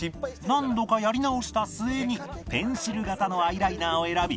何度かやり直した末にペンシル型のアイライナーを選び